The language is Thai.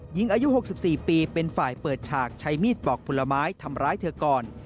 หญิงอายุ๖๔ปีเป็นฝ่ายเปิดฉากใช้มีดปอกผลไม้ทำร้ายเธอก่อน